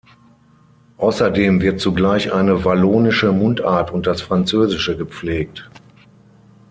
Außerdem wird zugleich eine wallonische Mundart und das Französische gepflegt.